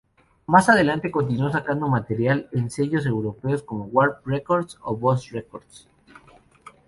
Más adelante continuó sacando material en sellos europeos como Warp Records o Buzz Records.